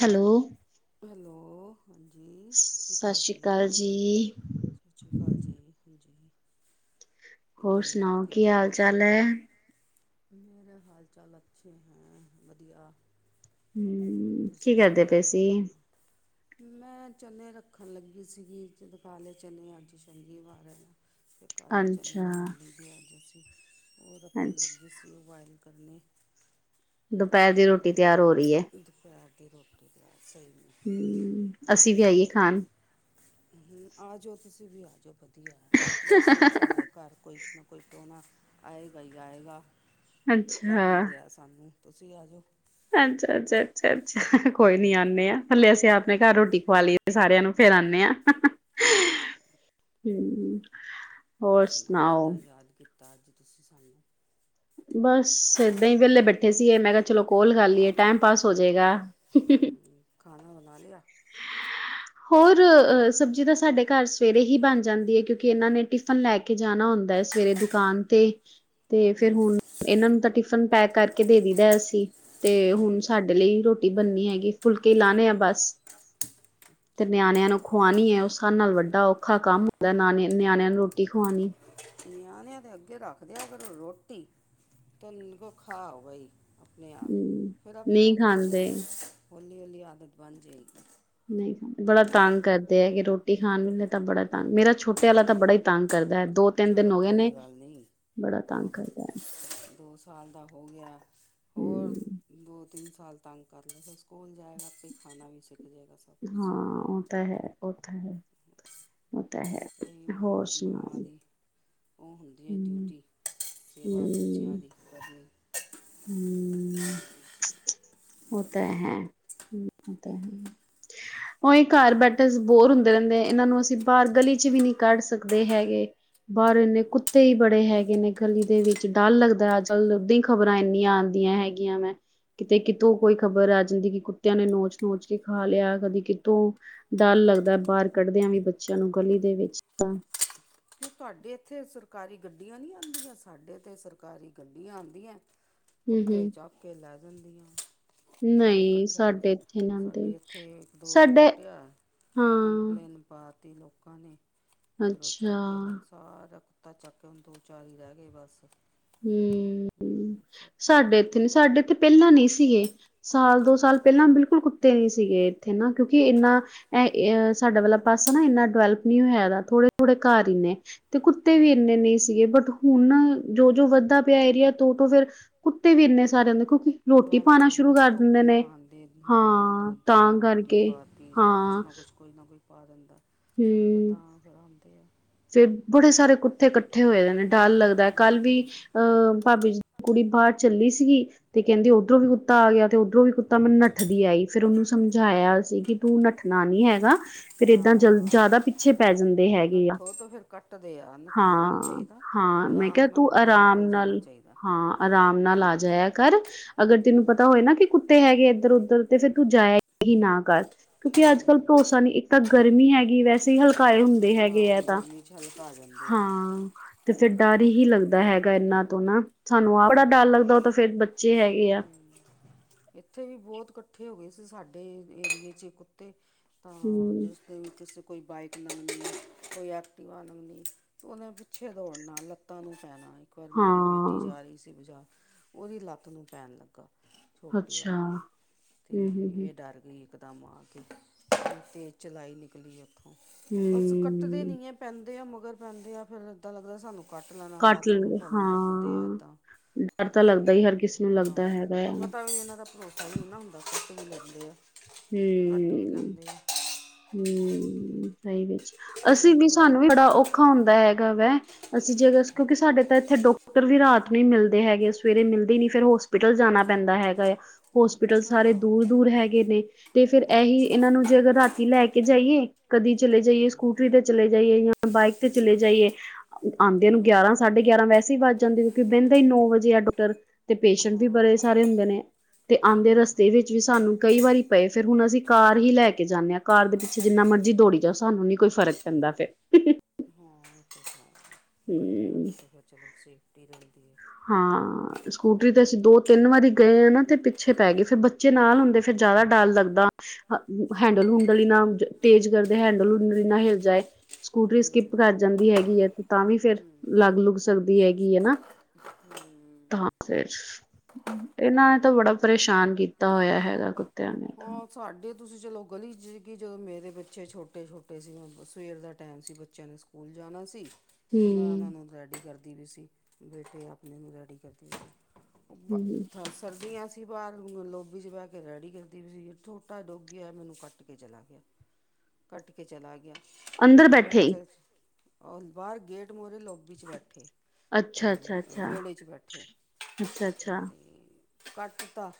Hello. Hello ਹਾਂਜੀ। ਸਤਿ ਸ਼੍ਰੀ ਅਕਾਲ ਜੀ। ਸਤਿ ਸ਼੍ਰੀ ਅਕਾਲ ਜੀ ਹਾਂਜੀ। ਹੋਰ ਕਿੱਦਾਂ ਯਾਦ ਸੁਨਾਓ ਕੀ ਕੀਤਾ ਹਾਲ ਚਾਲ ਤੁਸੀਂ ਐ? ਮੇਰੇ ਹਾਲ ਚਾਲ ਅੱਛੇ ਹੈਂ। ਵਧੀਆ। ਹੂੰ। ਤੁਸੀ ਸੁਨਾਓ ਅਪਨਾ। ਮੈਂ ਚਨੇ ਰੱਖਣ ਲੱਗੀ ਸੀਗੀ ਜਦ ਕਾਲੇ ਚਨੇ ਅੱਜ ਸ਼ਨੀਵਾਰ ਐਨਾ। ਫੇਰ ਕਾਲੇ ਚਨੇ ਅੱਛਾ ਬਨਾਨ ਲਗੇ ਅੱਜ ਅਸੀ ਓ ਰੱਖਣ ਲਗੀ ਅੱਛਾ ਸੀ। ਓ ਬੋਇਲ ਕਰਨੇ, ਦੁਪਹਿਰ ਦੀ ਰੋਟੀ ਹਾਂ। ਤਿਆਰ ਹੋ ਰਹੀ ਹੈ ਦਪੈਰ ਦੀ ਰੋਟੀ ਤੇਆਰ ਸਈ ਮੇ। ਹੂੰ, ਅਸੀ ਵੀ ਆਈਏ ਖਾਨ। ਹੂੰ ਆ ਜਓ, ਤੁਸੀ ਵੀ ਆ ਜਓ ਕਦੀ ਯਾਰ ਵੈਸੇ ਵੀ ਸਾਡੇ ਘਰ ਕੋਈ ਇਤਨਾ ਕੋਈ ਪਰੋਨਾ ਆਏਗਾ ਈ ਆਏਗਾ। ਲੱਗ ਈ ਅੱਛਾ ਰੇਆ ਸਾਨੂੰ। ਤੁਸੀ ਆ ਜੋ। ਅੱਛਾ, ਅੱਛਾ, ਅੱਛਾ, ਅੱਛਾ ਕੋਈ ਨੀ ਆਨੇ ਆਂ। ਹਲੇੇ ਅਸੀ ਅਪਨੇ ਘਰ ਰੋਟੀ ਖਵਾ ਲੀਏ ਸਾਰੇਆਂ ਨੂੰ ਫੇਰ ਆਨੇ ਆਂ। ਹੂੰ। ਹੂੰ। ਹੋਰ ਸੁਨਾਓ ਕਿੱਦਾਂ ਯਾਦ ਕੀਤਾ ਅੱਜ ਤੁਸੀ ਸਾਨੂੰ? ਬਸ ਏਦਾਂ ਈ ਵੇਲੇ ਬੈਠੇ ਸੀਗੇ ਮੈਂ ਕੇਆ ਚਲੋ ਕੋਲ ਕਰ ਲੀਏ ਟਾਈਮ ਪਾਸ ਹੋ ਜੇਗਾ। ਹਮ ਖਾਣਾ ਬਨਾ ਲਿਆ? ਹੋਰ ਅ ਸਬਜੀ ਤਾਂ ਸਾਡੇ ਘਰ ਸਵੇਰੇ ਹੀ ਬਣ ਜਾਂਦੀ ਏ ਕਿਉਂਕਿ ਏਨਾਂ ਨੇ ਟਿਫਨ ਲੈ ਕੇ ਕੇ ਜਾਣਾ ਹੁੰਦਾ ਐ ਸਵੇਰੇ ਦੁਕਾਨ ਤੇ। ਤੇ ਫਿਰ ਹੁਨ ਏਨਾਂ ਨੂੰ ਤਾਂ ਟਿਫਨ ਪੈਕ ਕਰਕੇ ਦੇ ਦੀ ਦਾ ਅਸੀ ਤੇ ਹੁਨ ਸਾਡੇ ਲਈ ਰੋਟ ਟੀ ਬਨਨੀ ਹੈਗੀ। ਫੁਲਕੇ ਲਾਨੇ ਆ ਬਸ। ਤੇ ਨਿਆਣੇਆਂ ਨੂੰ ਖਵਾਉਣੀ ਐ। ਓ ਸਾਰੇ ਤੋਂ ਵੱਡਾ ਔਖਾ ਕੰਮ ਹੁੰਦਾ ਨਾਨੇ ਨਿਆਣੇਆਂ ਨੂੰ ਰੋਟੀ ਖਵਾਉਣੀ। ਨਿਆਣੇਆਂ ਦੇ ਅੱਗੇ ਰੱਖਦੇਆ ਕਰੋ ਰੋਟੀ ਤੇ ਓਨਨੂੰ ਕੋ ਖਾ ਬਈ। ਅਪਨੇ ਆਪ। ਹਮ ਫੇਰ ਅਪਣੇ ਆਪ ਨਹੀਂ ਬਚੇ ਖਾਂਦੇ ਹੌਲੀ ਹੌਲੀ ਆਦਤ ਬਣ ਜਏਗੀ। ਨਈ ਖਾਂਦ ਬੜਾ ਤੰਗ ਕਰਦੇ ਹੈਗੇ। ਰੋਟੀ ਖਾਣ ਵੇਲੇ ਤਾਂ ਬੜਾ ਤੰਗ, ਮੇਰਾ ਛੋਟੇ ਆਲਾ ਤਾਂ ਬੜਾ ਈ ਤੰਗ ਕਰਦਾ ਐ। ਦੋ ਤਿੰਨ ਦਿਨ ਚਲੋ ਹੋਗੇ ਨੇ, ਕੋਈ ਗੱਲ ਨਹੀਂ ਬੜਾ ਤੰਗ ਉਹ ਕਰਦਾ ਐ। ਦੋ ਸਾਲ ਦਾ ਹੋ ਗੇਆ ਐ। ਹੋਰ ਹਮ ਦੋ ਤਿੰਨ ਸਾਲ ਤੰਗ ਕਰਲੇ ਫੇਰ ਸਕੂਲ ਜਾਏਗਾ ਆਪੇ ਈ ਖਾਣਾ ਵੀ ਸਿੱਖ ਜਏਗਾ। ਹਾਂ, ਓ ਤਾ ਹੈ, ਓ ਤਾ ਹੈ। ਓ ਤਾ ਹੈ, ਹੋਰ ਸੁਨਾਓ। ਓ ਹੁੰਦੀ ਐ ਡਿਊਟੀ। ਸੇਵਾ ਬੱਚੇਆਂ ਹੂੰ ਦੀ ਕਰਨੀ। ਹੂੰ, ਓ ਤਾਂ ਹੈ, ਓ ਤਾਂ ਹੂੰ। ਓਈ ਘਰ ਬੈਠੇ ਅਸੀ ਬੋਰ ਹੁੰਦੇ ਰੈਂਦੇ। ਏਨਾਂ ਨੂੰ ਅਸੀ ਬਾਰ ਗਲੀ ਚ ਵੀ ਨੀ ਕੱਢ ਸਕਦੇ ਹੈਗੇ। ਬਾਰ ਏਨੇ ਕੁੱਤੇ ਈ ਬੜੇ ਹੈਗੇ ਨੇ ਗਲੀ ਦੇ ਵਿੱਚ ਡਰ ਲੱਗਦਾ ਐ ਅੱਜ ਲ ਓਦਾਂ ਈ ਖਬ ਖ਼ਬਰਾਂ ਇਏਨੀਆਂ ਆਂਦੀਆਂ ਹੈਗੀਆਂ ਵੈ। ਕਿਤੇ ਕਿਤੋਂ ਕੋਈ ਖਬਰ ਆ ਜਾਂਦੀ ਕਿ ਕੁੱਤੇਆਂ ਨੇ ਨੋਚ ਨੋਚ ਕੇ ਖਾ ਲੇਆ ਕਦੀ ਕਿਤੋਂ। ਡਰ ਲੱਗਦਾ ਬਾਰ ਕੱਢਦੇਆਂ ਵੀ ਬੱਚੇਆਂ ਨੂੰ ਗਲੀ ਦੇ ਵਿੱਚ ਤਾਂ। ਤੁਹਾਡੇ ਇੱਥੇ ਸਰਕਾਰੀ ਗੱਡੀਆਂ ਨਹੀਂ ਆਉਂਦੀਆਂ ਸਾਡੇ ਤੇ ਸਰਕਾਰੀ ਗੱਡੀਆਂ ਆਉਂਦੀਆਂ ਹੂੰ ਹੂੰ ਕੁੱਤੇ ਚੱਕ ਕੇ ਲੈ ਜਾਂਦੀਆਂ ਸਾਰੇ ਨਹੀਂ ਇਕੱਠੇ ਸਾਡੇ ਕਰਕੇ ਇੱਥੇ ਨੀ ਆਂਦੇ ਸਾਡੇ ਇੱਥੇ ਇੱਕ ਦੋ ਦੇ ਸਾਡੇ ਕੱਟਿਆ ਹਾਂ ਕੰਪਲੇਨ ਪਾਤੀ ਲੋਕਾਂ ਨੇ ਫਿਰ ਉਹ ਅੱਛਾ ਚੱਕ ਕੇ ਲੈ ਸਾਰਾ ਕੁੱਤਾ ਚੱਕ ਕੇ ਹੁਣ ਦੋ ਚਾਰ ਹੀ ਰਹਿ ਗਏ ਬਸ ਹੂੰ ਸਭ ਚੱਕ ਕੇ ਸਾਡੇ ਲੈ ਇੱਥੇ ਨੀ ਸਾਡੇ ਇਥੇ ਪਹਿਲਾਂ ਨਹੀਂ ਸੀਗੇ ਸਾਲ ਦੋ ਸਾਲ ਪਹਿਲਾਂ ਬਿਲਕੁਲ ਕੁੱਤੇ ਨਹੀਂ ਸੀਗੇ ਇੱਥੇ ਨਾ ਕਿਉਂਕਿ ਇੰਨਾ ਇਹ ਸਾਡਾ ਵਾਲਾ ਪਾਸਾ ਨਾ ਇੰਨਾ ਡਿਵੈਲਪ ਨਹੀਂ ਹੋਇਆ ਦਾ ਥੋੜੇ, ਥੋੜੇ ਘਰ ਹੀ ਨੇ ਤੇ ਕੁੱਤੇ ਵੀ ਹੂੰ ਇੰਨੇ ਨਹੀਂ ਸੀਗੇ ਬਟ ਹੁਣ ਨਾ ਜਿਉ ਜਿਉ ਵੱਧਦਾ ਪਿਆ ਏਰੀਆ ਤੋਂ, ਤੋਂ ਫੇਰ ਕੁੱਤੇ ਵੀ ਇੰਨੇ ਸਾਰੇ ਹੁੰਦੇ ਕਿਉਂਕਿ [inaudible] ਰੋਟੀ ਪਾਣਾ ਹੋ ਗਿਐ ਸ਼ੁਰੂ ਨਾ ਕਰ ਦਿੰਦੇ ਲੋਕੀ ਨੇ ਪਾਉਦੇ ਹਾਂ ਦੁੱਧ ਤਾਂ ਰੋਟੀ ਕਰਕੇ ਪਾਤੀ ਹਾਂ ਕੁਛ ਨਾ ਕੁਛ ਕੋਈ ਨਾ ਕੋਈ ਪਾ ਦਿੰਦਾ ਫਿਰ ਤਾਂ ਫੇਰ ਆਉਂਦੇ ਆ ਫੇਰ ਬੜੇ ਸਾਰੇ ਕੁੱਠੇ ਕੱਠੇ ਹੋਏ ਦੇ ਨੇ ਡਰ ਲੱਗਦਾ ਹੈ ਕਲ ਵੀ ਅਹ ਭਾਬੀ ਜੀ ਦੀ ਕੁੜੀ ਬਾਹਰ ਚੱਲੀ ਸੀਗੀ ਤੇ ਕਹਿੰਦੇ ਉੱਧਰੋਂ ਵੀ ਕੁੱਤਾ ਆ ਗਿਆ ਤੇ ਉੱਧਰੋਂ ਵੀ ਕੁੱਤਾ ਮੈਂ ਨੱਠਦੀ ਆਈ ਫਿਰ ਉਹਨੂੰ ਸਮਝਾਇਆ ਅਸੀ ਕਿ ਤੂੰ ਨੱਠਣਾ ਨਹੀਂ ਹੈਗਾ ਫੇਰ ਏਦਾਂ ਜਲ ਹਾਂ ਜ਼ਿਆਦਾ ਪਿੱਛੇ ਪੈ ਜਾਂਦੇ ਹੈਗੇ ਆ ਨੱਠੋ ਤਾਂ ਫਿਰ ਕੱਟਦੇ ਆ ਨੱਠਣਾ ਨਹੀਂ ਹਾਂ ਚਾਹੀਦਾ ਹਾਂ ਮੈਂ ਆਰਾਮ ਕਿਹਾ ਨਾਲ ਤੂੰ ਤਾਂ ਆਰਾਮ ਨਿਕਲ ਜਾਣਾ ਨਾਲ ਚਾਹੀਦਾ ਹਾਂ ਆਰਾਮ ਨਾਲ ਆ ਜਾਇਆ ਕਰ ਅਗਰ ਤੈਨੂੰ ਪਤਾ ਹੋਏ ਨਾ ਕਿ ਕੁੱਤੇ ਹੈਗੇ ਇੱਧਰ ਉੱਧਰ ਤੇ ਫੇਰ ਤੂੰ ਜਾਇਆ ਹੀ ਨਾ ਕਰ ਕਿਉਂਕਿ ਅੱਜ ਕੱਲ ਭਰੋਸਾ ਨੀ ਇੱਕ ਤਾਂ ਗਰਮੀ ਹੈਗੀ ਵੈਸੇ ਈ ਹਲਕਾਏ ਹੁੰਦੇ ਹੈਗੇ ਹਾਂ ਏ ਤਾਂ ਗਰਮੀ 'ਚ ਹਲਕਾ ਆ ਜਾਂਦੇ ਆ ਹਾਂ ਤੇ ਫਿਰ ਡਰ ਹੀ ਲੱਗਦਾ ਹੈਗਾ ਇਨਾ ਤੋਂ ਨਾ ਸਾਨੂੰ ਆਪ ਬੜਾ ਡਰ ਹੂੰ ਲੱਗਦਾ ਉਹ ਤਾਂ ਫੇਰ ਬੱਚੇ ਹੈਗੇ ਆ ਇਥੇ ਵੀ ਬਹੁਤ ਇਕੱਠੇ ਹੋ ਗਏ ਸੀ ਸਾਡੇ ਏਰੀਏ ਚ ਕੁੱਤੇ ਤਾਂ ਹਮ ਜੇ ਉਹ ਵਿੱਚ ਕੋਈ ਬਾਈਕ ਲੰਗਣੀ ਕੋਈ ਐਕਟੀਵਾ ਲੰਗਣੀ ਉਹਨਤਪਿੱਛੇ ਦੌੜਨਾ ਲੱਤਾਂ ਨੂੰ ਪੈਣਾ ਇੱਕ ਵਾਰ ਮੇਰੀ ਬੇਟੀ ਹਾਂ ਜਾ ਰਹੀ ਸੀ ਬਜਾਰ ਉਹਦੀ ਲਤ ਨੂੰ ਪੈਣ ਲੱਗਾ ਛੋਟੀ ਅੱਛਾ ਵਾਲੀ ਦੇ ਹਮ ਤੇ ਹਮ ਹਮ ਇਹ ਡਰ ਗਈ ਇੱਕ ਦਮ ਆਕੇ ਤੇਜ਼ ਚਲਾਈ ਨਿਕਲੀ ਉੱਥੋਂ ਹੂੰ ਸੋ ਕੱਟਦੇ ਨਹੀਂ ਹੈ ਪੈਂਦੇ ਆ ਮਗਰ ਪੈਂਦੇ ਆ ਫਿਰ ਇੱਦਾਂ ਲੱਗਦਾ ਸਾਨੂੰ ਕੱਟ ਲੈਣਾ ਕੱਟ ਲੱਤ ਨੂੰ ਲੈਣਗੇ ਫੜਨ ਲੱਗਦੇ ਆਂ ਹਾਂ ਡਰ ਤਾਂ ਤੇ ਲੱਗਦਾ ਹੀ ਹਰ ਕਿਸੇ ਨੂੰ ਹਾਂ ਲੱਗਦਾ ਹੈਗਾ ਕੋਈ ਆ ਪਤਾ ਵੀ ਇਹਨਾਂ ਦਾ ਭਰੋਸਾ ਨਹੀਂ ਨਾ ਹੁੰਦਾ ਕੱਟ ਵੀ ਲੈਂਦੇ ਆ ਕੱਟ ਤੇ, ਵੀ ਲੈਂਦੇ ਆ ਹੂੰ ਸਹੀ ਵਿੱਚ ਅਸੀਂ ਵੀ ਸਾਨੂੰ ਮੋਬਾਈਲ ਵੀ ਬੜਾ ਔਖਾ ਹੁੰਦਾ ਹੈਗਾ ਵਾ ਅਸੀਂ ਜੇ ਕਿਉਂਕਿ ਸਾਡੇ ਤਾਂ ਇੱਥੇ ਡਾ ਡਾਕਟਰ ਵੀ ਰਾਤ ਨੂੰ ਹੀ ਮਿਲਦੇ ਹੈਗੇ ਆ ਸਵੇਰੇ ਮਿਲਦੇ ਹੀ ਨੀ ਫਿਰ ਹੋਸਪਿਟਲ ਜਾਣਾ ਪੈਂਦਾ ਹੈਗਾ ਆ ਹੋਸਪਿਟਲ ਅੱਛਾ ਸਾਰੇ ਦੂਰ, ਦੂਰ ਹੈਗੇ ਨੇ ਤੇ ਫੇਰ ਇਹੀ ਅੱਛਾ ਇਹਨਾਂ ਨੂੰ ਜੇ ਅਗਰ ਰਾਤੀ ਲੈ ਕੇ ਜਾਈਏ ਕਦੀ ਚਲੇ ਜਾਈਏ ਹੂੰ ਸਕੂਟਰੀ ਤੇ ਚਲੇ ਜਾਈਏ ਜਾਂ ਬਾਈਕ ਤੇ ਚਲੇ ਜਾਈਏ ਆਉਂਦੇਆ ਨੂੰ ਹੂੰ ਗਿਆਰਾਂ ਸਾਢੇ ਗਿਆਰਾਂ ਵੈਸੇ ਹੀ ਵੱਜ ਜਾਂਦੇ ਕਿਉਂਕਿ ਬਹਿੰਦਾ ਹੀ ਨੌ ਵਜੇ ਆ ਡਾਕਟਰ ਤੇ ਪੇਸ਼ੈਂਟ ਵੀ ਬੜੇ ਹਾਂ ਸਾਰੇ ਹੁੰਦੇ ਨੇ ਤੇ ਆਉਂਦੇ ਹੂੰ ਰਸਤੇ ਵਿੱਚ ਵੀ ਸਾਨੂੰ ਕਈ ਵਾਰੀ ਪਏ ਫੇਰ ਹੁਣ ਅਸੀਂ ਕਾਰ ਹੀ ਲੈ ਕੇ ਜਾਂਦੇ ਹਾਂ ਕਾਰ ਦੇ ਪਿੱਛੇ ਜਿੰਨਾ ਮਰਜ਼ੀ ਦੌੜੀ ਜਾਓ ਸਾਨੂੰ ਨੀਂ ਕੋਈ ਫਰਕ ਪੈਂਦਾ ਫੇਰ [unintelligible] ਹਾਂ ਇਹ ਹੈ ਗੱਡੀਆਂ ਹਮ ਚ ਤਾਂ ਫਿਰ ਚਲੋ ਸੇਫਟੀ ਰਹਿੰਦੀ ਹੈ ਹਾਂ ਸਕੂਟਰੀ ਤੇ ਅਸੀਂ ਦੋ ਤਿੰਨ ਵਾਰੀ ਗਏ ਹ ਨਾ ਤੇ ਪਿ ਪਿਛੇ ਪੈ ਗਏ, ਫੇਰ ਬੱਚੇ ਨਾਲ ਹੁੰਦੇ ਫੇਰ ਜਾਦਾ ਡਰ ਲੱਗਦਾ। ਹੈਂਡਲ-ਹੂਡਲ ਦਾ ਈ ਨਾ ਤੇਜ ਕਰਦੇ, ਹੈਂਡਲ-ਹੂਡਲ ਲਈ ਨਾ ਹੇਲ ਜਾਏ। ਸਕੂਟਰੀ ਸਕਿੱਪ ਕਰ ਜਾਂਦੀ ਹੈਗੀ ਐ, ਤਾਂ ਵੀ ਫੇਰ ਲੱਗ-ਲੁੱਗ ਸਕਦੀ ਹੈਗੀ ਏ ਨਾ। [inaudible] ਤਾਂ ਫੇਰ ਏਨਾ ਨੇਤਾਂ ਬੜਾ ਪਰੇਸ਼ਾਨ ਕੀਤਾ ਹੋਇਆ ਹੈਗਾ, ਕੁਤੇਆਂ ਨੇ- ਤਾਂ ਸਾਡੇ ਤੁਸੀ ਚਲੋ ਗਲੀ 'ਚ ਕਿ ਜਦੋਂ ਮੇਰੇ ਬੱਚੇ ਛੋਟੇ- ਛੋਟੇ ਸੀ, ਸਵੇਰ ਦਾ ਟੈਮ ਸੀ ਬੱਚਿਆਂ ਨੇ ਸਕੂਲ- ਸਕੂਲ ਜਾਣਾ ਸੀ- ਮੈਂ ਓਨਾ ਹਮ ਨੂੰ ਰੈਡੀ ਕਰਦੀ ਵੀ ਸੀ। ਬੇਟੇ ਆਪਣੇ ਨੂੰ ਰੈਡੀ ਕਰਦੀ ਸੀ। ਹਮ ਸਰਦੀਆਂ ਸੀ ਬਾਰ, ਲੋਬੀ 'ਚ ਬੈਹ ਕੇ ਰੈਡੀ ਕਰਦੀ ਪਈ ਸੀ। ਛੋਟਾ ਡੋਗੀ ਆਯਾ, ਮੈਨੂੰ ਕੱਟ ਕੇ ਚਲਾ ਗੇਆ। ਕੱਟ ਕੇ ਚਲਾ ਗੇਆ- ਅੰਦਰ ਤੇ ਮੈ ਬੈਠੇ ਕੇਯਾ ਹੀ ਚੱਲ ਬਾਰ ਗੇਟ ਮੋਹਰੇ ਲੋਬੀ 'ਚ ਬੈਠੇ- ਅੱਛਾ, ਅੱਛਾ, ਅੱਛਾ, ਵੇੜੇ 'ਚ ਬੈਠੇ ਅੱਛਾ, ਅੱਛਾ, ਤੇ- ਕੱਟ ਤਾ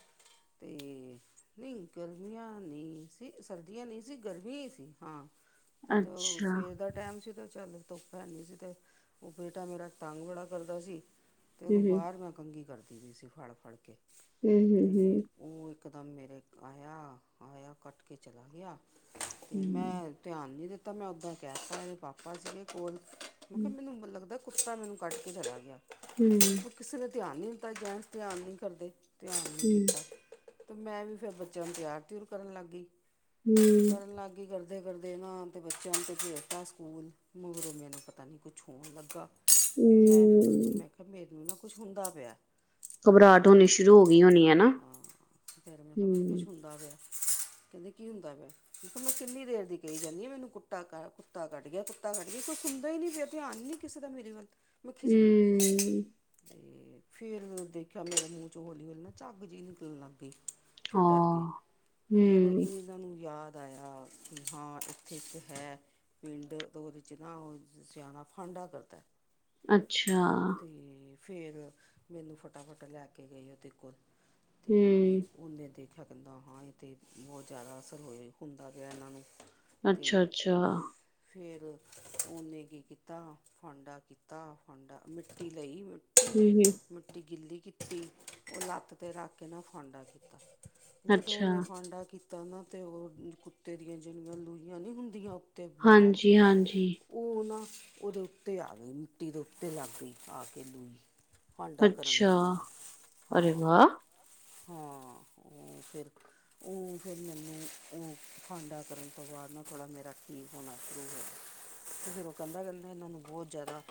ਤੇ ਨਈਂ ਗਰਮੀਆਂ ਨਈ ਸੀ ਸਰਦੀਆਂ ਨਈਂ ਸੀ, ਗਰਮੀਆਂ ਈ ਸੀ, ਹਾਂ- ਤੇ ਅੱਛਾ, ਸਵੇਰ ਦਾ- ਟੈਮ ਸੀ ਤੇ ਚੱਲ ਧੁੱਪ ਹੈਨੀ ਸੀ, ਤੇ ਓ ਬੇਟਾ ਮੇਰਾ ਤੰਗ ਬੜਾ ਕਰਦਾ ਸੀ। ਤੇ ਓਨੂੰ ਹੂੰ, ਬਾਰ ਮੈ ਕੰਘੀ ਕਰਦੀ ਵੀਈ ਸੀ, ਫੜ- ਫੜ ਕੇ ਹੂੰ, ਹੂੰ, ਤੇ ਹੂੰ। ਓ ਇਕਦਮ ਮੇਰੇ- ਆਯਾ-ਆਯਾ ਤੇ ਕੱਟ ਕੇ ਚਲਾ ਗਯਾ ਤੇ ਹੂੰ। ਮੈ- ਧਿਆਨ ਨਈ ਦਿੱਤਾ, ਮੈ ਓਦੋ ਕੈਤਾ ਏਦੇ ਪਾਪਾ ਸੀਗੇ ਕੋਲ, ਮੈ ਕੇਯਾ ਮੈਨੂੰ ਲਗਦੈ ਕੁੱਤਾ ਮੇਨੂੰ ਕੱਟ ਕੇ ਚਲਾ ਗਯਾ। ਹੂੰ। ਕਿਸੇ ਨੇ ਧਿਆਨ ਨੀ ਦਿਤਾ, ਜੈਨਡਸ ਧਿਆਨ ਨੀ ਕਰਦੇ, ਧਿਆਨ ਨੀ ਹੂੰ, ਕੀਤਾ ਤੇ ਮੈ ਵੀ- ਫੇਰ ਬੱਚੇਆਂ ਨੂੰ ਤਿਆਰ-ਤੀਯੂਰ ਕਰਨ ਲਗ ਗਈ, ਹੂੰ, ਕਰਨ ਲੱਗ ਗਈ ਗਲ- ਕਰਦੇ-ਕਰਦੇ ਨਾਂ ਤੇ ਬੱਚਿਆਂ ਨੂੰ ਤੇ ਭੇਜਤਾ ਸਕੂਲ, ਮਗਰੋ ਮੇਨੂੰ ਪਤਾ ਨੀਂ ਕੁਛ ਹੋਣ ਲਗਾ- ਮੈ ਫੇਰ ਹੂੰ। ਕੇਯਾ ਮੇਨੂੰ ਨਾ ਕੁਛ ਹੁੰਦਾ ਪੇਆ। ਘਬਰਾਟ ਹੋਣੀ ਸ਼ੁਰੂ ਹੋ ਗਈ ਹੋਣੀ ਐਨਾ, ਹਾਂ ਫਿਰ ਮੈਂ ਕਿਹਾ ਮੈਨੂੰ ਕੁਝ ਹੂੰ। ਹੁੰਦਾ ਪੇਆ, ਕੈਂਦੇ ਕੀ ਹੁੰਦਾ ਪੇਆ? ਮੈਂ ਕਿੰਨੀ ਦੇਰ ਦੀ ਕਯੀ ਜਾਂਨੀ ਆਂ, ਮੈਨੂੰ ਕੁੱਟਾ ਕ ਕੁੱਤਾ ਕੱਟ ਗੇਆ, ਕੁੱਤਾ ਕੱਟ ਗੇਆ ਕੋਈ ਸੁਣਦਾ ਈਨੀ ਪੇਯਾ, ਧਿਆਨ ਈ ਨੀ- ਕਿਸੇ ਦਾ ਮੇਰੀ ਵੱਲ, ਮੈ ਖਿਝ ਗਈ। ਹੂੰ। ਤੇ ਫੇਰ ਦੇਖੇਆ ਮੇਰੇ ਮੂੰਹ 'ਚ ਹੋਲੀ- ਹੋਲੀ ਨਾ ਝੱਗ ਜੀ ਨਿਕਲਣ ਲਗ ਗਈ। ਫੇਰ ਡਰ ਗਏ, ਹਾਂ, ਫੇਰ- ਹੂੰ, ਏਨਾ ਨੂੰ ਯਾਦ ਆਯਾ ਹਾਂ, ਇਥੇ ਏਕ ਹੈ। ਪਿੰਡ ਤੇ ਓਦੇ 'ਚ ਨਾ, ਓ ਸਿਆਣਾ ਫਾਂਡਾ ਕਰਦੈ। ਅੱਛਾ, ਤੇ- ਫੇਰ ਮੈਨੂੰ ਫਟਾਫਟ ਲੈ ਕੇ ਗਏ ਓਦੇ ਕੋਲ, ਤੇ ਹੂੰ, ਓਨੇ- ਦੇਖਿਆ ਕੈਂਦਾ ਹਾਂ, ਏਤੇ ਬੋਤ ਜਾਦਾ ਅਸਰ ਹੋਏ ਹੁੰਦਾ ਪੇਯਾ, ਏਨਾ ਨੂੰ- ਤੇ ਅੱਛਾ, ਅੱਛਾ, ਫਿਰ ਓਨੇ ਕੀ ਕੀਤਾ, ਫਾਂਡਾ ਕੀਤਾ ਫੰਡਾ ਮਿੱਟੀ ਦਾ ਈ- ਹੇਹੇ। ਗਿੱਲੀ ਕੀਤੀ, ਓ ਲੱਤ ਤੇ ਰੱਖ ਕੇ ਨਾ ਫਾਂਡਾ ਕੀਤਾ। ਜਦੋ ਅੱਛਾ। ਓਨੇ ਫਾਂਡਾ ਕੀਤਾ ਨਾ, ਤੇ ਓ ਕੁੱਤੇ ਦੀਆ ਜੇੜੀਆਂ ਲੂਈਆਂ ਨੀਂ ਹੁੰਦੀਆ- ਹਾਂਜੀ-ਹਾਂਜੀ। ਓਨਾ ਓਦੇ ਉੱਤੇ ਆ ਗਈ, ਮਿੱਟੀ ਦੇ ਉੱਤੇ ਲਗ ਗਈ ਆ ਕੇ ਲੂਈ। ਭਾਂਡਾ ਕਰਨ ਅੱਛਾ, ਦੇ ਨਾਲ ਅਰੇ ਹਾਂ-ਹਾਂ, ਵਾਹ! ਓ ਫੇਰ ਉਹ ਫੇਰ ਮੈਨੂੰ ਉਹ ਫਾਂਡਾ ਕਰਨ ਤੋ ਬਾਦ ਨਾ ਥੋੜ੍ਹਾ ਮੇਰਾ ਠੀਕ ਹੋਣਾ ਸ਼ੁਰੂ ਹੋ ਗਿਆ। ਤੇ ਫਿਰ ਉਹ ਕਹਿਦਾ ਕਹਿਦਾ ਇਹਨਾਂ ਨੂੰ ਬੋਤ ਜਾਦਾ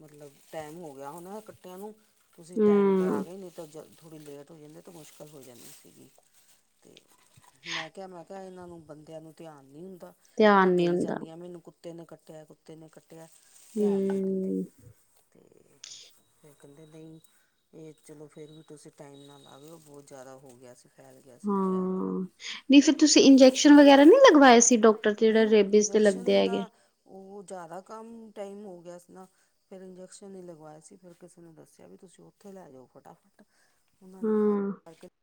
ਮਤਲਬ ਟੈਮ ਹੋ ਗਿਆ ਹਨਾ ਕੱਟਿਆਂ ਨੂੰ। ਤੁਸੀ ਟਾਈਮ ਤਾਂ ਆ ਹੂੰ, ਗਏ ਨਈ ਤਾਂ ਜ ਥੋੜ੍ਹੀ ਲੇਟ ਹੋ ਜਾਦੀ ਤਾਂ ਮੁਸ਼ਕਿਲ ਹੋ ਜਾਦੀ। ਮੈ ਕਿਆ ਮੈ ਕਿਆ ਇੰਨਾ ਨੂੰ ਬੰਦਿਆਂ ਨੂੰ ਧਿਆਨ ਨੀ ਹੁੰਦਾ। ਮੈਂ ਧਿਆਨ ਨੀ ਕਈ ਹੁੰਦਾ, ਜਾਨੀ ਆ ਮੈਨੂੰ ਕੁੱਤੇ ਨੇ ਕਟਿਆ ਕੁੱਤੇ ਨੇ ਕਟ ਤੇ ਅ ਧਿਆਨ ਨੀ ਦਿੰਦੇ। ਹੂੰ। [unintelligible] ਫੇਰ ਕਹਿਦੇ ਨਈ ਏ ਚਲੋ ਫੇਰ ਵੀ ਤੁਸੀ ਟਾਈਮ ਨਾਲ ਆ ਗਏ ਹੋ ਬੋਤ ਜਾਦਾ ਹੋ ਗਿਆ ਸੀ। ਫੈਲ ਗਿਆ ਸੀ ਜੇਰ ਓਦਾ। ਨੀ ਫਿਰ ਤੁਸੀਂ ਇੰਜੈਕਸ਼ਨ ਵਗੈਰਾ ਨੀ ਲਗਵਾਏ ਸੀ ਡਾਕਟਰ ਤੇ ਜੇੜੇ ਨਹੀਂ ਰੇਬੀਜ਼ ਤੇ ਲੱਗਦੇ ਇੰਜੈਕਸ਼ਨ ਹੈਗੇ। ਦਾ ਉਹ ਜਾਦਾ ਕੰਮ ਟਾਈਮ ਹੋ ਗਿਆ ਸੀ ਨਾ। ਫੇਰ ਇੰਜੈਕਸ਼ਨ ਹੀ ਲਗਵਾਏ ਸੀ ਫੇਰ ਕਿਸੇ ਨੂੰ ਦੱਸਿਆ ਵੀ ਤੁਸੀਂ ਉੱਥੇ ਲੈ ਜੋ ਫਟਾਫਟ। ਉਨਾਂ ਨੇ ਫ ਹਾਂ [unintelligible]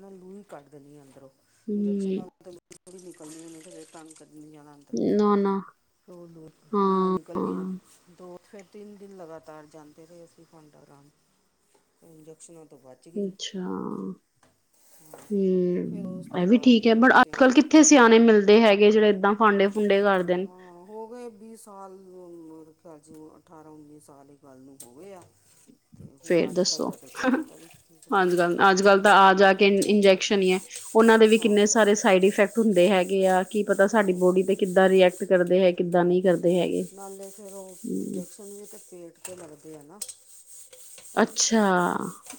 ਮੈਂ ਲੂੰ ਹੀ ਕੱਢ ਦੇਣੀ ਆ ਅੰਦਰੋਂ ਇੰਜਕਸ਼ਨ ਹਮ ਨਾਲ ਥੋੜ੍ਹੀ [unintelligible] ਨਿਕਲਣੀ ਨੀ ਹਜੇ ਤੰਗ ਕਰਨੀ ਨੀ ਜਾਦਾ। ਨਾ ਨਾ [unintelligible] ਨਿਕਲ ਗਈਆਂ ਹਾਂ ਦੋ ਫੇਰ ਤਿੰਨ ਦਿਨ ਲਗਾਤਾਰ ਜਾਂਦੇ ਰਏ ਅਸੀਂ ਫਾਂਡਾ ਕਰਾਨ ਤੇ ਇੰਜੈਕਸ਼ਨਾਂ ਤੋਂ ਬੱਚ ਗਈ। ਆ ਫਿਰ ਉਸ ਹੂੰ ਐ ਤੋਂ ਵੀ ਬਾਅਦ ਠੀਕ ਐ ਫਿਰ ਬ ਅੱਜ ਕੁੱਤਿਆਂ ਦਾ ਕੱਲ ਕਿੱਥੇ ਸਿਆਣੇ ਮਿਲਦੇ ਹੈਗੇ ਜੇੜੇ ਏਦਾ। ਫਾੰਡੇ ਫੁੰਡੇ ਕਰ ਦੇਨ। ਹਾਂ ਹੋ ਗਏ ਸਾਲ ਖਿਆਲ ਚ ਅਠਾਰਾਂ-ਉੱਨੀ ਸਾਲ ਇਕ ਗੱਲ ਨੂੰ ਹੋ ਗੇ ਆ। [unintelligible] ਫੇਰ ਅੱਜ ਕੱਲ ਦੱਸੋ ਤਾਂ ਕੋਈ ਪਤਾ ਨੀ, ਨੀ ਪਤਾ ਅੱਜ ਨੀ। ਕੱਲ ਅੱਜ ਕੱਲ ਤਾਂ ਆ ਜਾ ਕੇ ਇ ਇੰਜੈਕਸ਼ਨ ਹੀ ਐ ਉਨਾਂ ਦੇ ਵੀ ਹਾਂ ਕਿੰਨੇ ਸਾਰੇ ਸਾਈਡ ਇਫੈਕਟ ਹੁੰਦੇ ਹੈਗੇ ਆ। ਕੀ ਪਤਾ ਸਾਡੀ ਬੋਡੀ ਤੇ ਕਿੱਦਾਂ ਰਿਐਕਟ ਕਰਦੇ ਐ ਕਿੱਦਾਂ ਨੀ ਹਮ। ਕਰਦੇ ਹੈਗੇ ਨਾਲੇ ਫਿਰ ਉਹ ਹੂੰ। [unintelligible] ਪੇਟ ਤੇ ਲੱਗਦੇ ਆ ਨਾ। ਅੱਛਾ।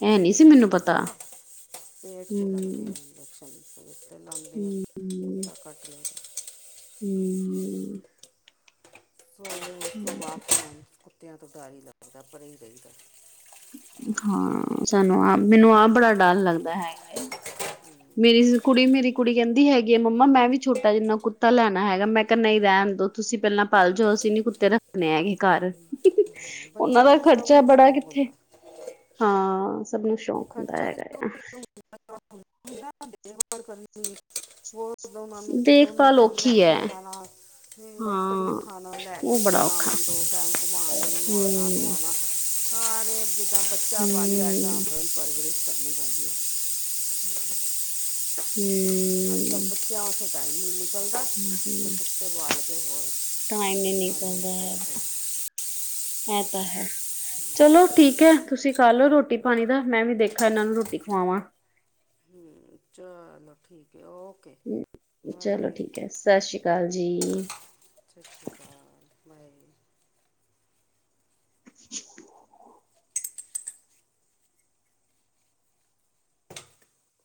ਇਹ ਨਹੀਂ ਸੀ ਪੇਟ ਚ ਮੈਨੂੰ ਲਗਦੇ ਪਤਾ ਐ, ਪੇਟ ਚ ਲਗਦੇ ਹੂੰ, ਐ ਇਨਜੇ ਪੇਟ ਤੇ ਲਾਂਦੇ ਐ ਹੂੰ, ਕੁੱਤਾ ਕੱਟ ਲੇ ਤੇ। ਹੂੰ ਸੋਨੂ ਓਖੇ ਹੂੰ। ਵਪ [unintelligible] ਕੁੱਤਿਆਂ ਤੋਂ ਡਰ ਲੱਗਦਾ ਪਰੇ ਹੀ ਰਇਦਾ। ਹਾਂ ਸਾਨੂੰ ਆਪ ਮੈਨੂੰ ਆਪ ਬੜਾ ਡਰ ਲੱਗਦਾ ਹੈਗਾ ਏ। ਹੂੰ ਮੇਰੀ ਕੁੜੀ-ਮੇਰੀ ਕੁੜੀ ਕਹਿੰਦੀ ਹੈਗੀ ਐ ਮੰਮਾ ਮੈਂ ਵੀ ਛੋਟਾ ਜਿੰਨਾ ਕੁੱਤਾ ਲੈਣਾ ਹੈਗਾ ਮੈਂ ਕਿਆ ਨਈ ਰਹਿਣ ਦੇ। ਤੁਸੀਂ ਪੇਲਾਂ ਪਲ ਜੋ ਅਸੀਂ ਨੀ ਕੁੱਤੇ ਰੱਖਣੇ ਹੈਗੇ ਕਰ। ਉਨਾਂ ਬੱਚਿਆਂ ਦਾ ਨੂੰ ਸਭ ਖ਼ਰਚਾ ਨੂੰ ਬੜਾ ਸ਼ੌਂਕ ਕਿੱਥੇ ਹੁੰਦਾ ਹਾਂ। ਸਭ ਨੂੰ ਸ਼ੌਕ ਹੁੰਦਾ ਖਰਚਾ [inaudible] ਹੈਗਾ ਆ। ਵੋ ਦੋਨਾਂ ਨੂੰ ਦੋਨੋ ਦੇਖਭਾਲ ਟੈਮ ਲੈ ਔਖੀ ਹੈ ਕੇ ਜਾਣਾ। ਹੂੰ ਡਾਕਟਰ ਨੂ ਹਾਂ ਦਿਖਾਨਾ ਲੈ ਉਹ ਕੇ ਬੜਾ ਜਾਣਾ ਔਖਾ ਓਨਾ ਨੂ ਦੋ ਟੈਮ। ਹੂੰ ਹਾ ਰੇ ਜਿੱਦਾਂ ਬੱਚਾ ਪਾਲਦਾ ਏਦਾ ਹੂੰ, ਰੋਜ਼ ਪਰਵਰਿਸ਼ ਕਰਨੀ ਪੈਂਦੀ ਐ। [unintelligible] ਹੂੰ ਬੱਚਿਆਂ ਵਾਸਤੇ ਟਾਈਮ ਨੀ ਮਿਲ ਨਿਕਲਦਾ ਤੇ ਹੂੰ। ਕੁੱਤੇ ਪਾਲ ਕੇ ਹੋਰ ਬਿਮਾਰੀ [unintelligible] ਐ ਤਾਂ ਹੈ। ਚਲੋ ਠੀਕ ਐ ਤੁਸੀਂ ਕਰ ਲੋ ਰੋਟੀ ਪਾਨੀ ਦਾ ਮੈਂ ਵੀ ਦੇਖਾ ਇਹਨਾਂ ਨੂੰ ਰੋਟੀ ਖਵਾਵਾਂ। ਹੂੰ ਚਾ ਚਾਲੋ ਠੀਕ ਏ ਓ ਚਲੋ ਠੀਕ ਐ ਸ ਸ਼੍ਰੀ ਕਾਲ ਜੀ। ਸ਼ ਸ਼੍ਰੀ ਕਾਲ। ਮੈਂ ਵੀ [inaudible]